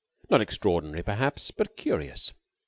Not extraordinary, perhaps, but curious.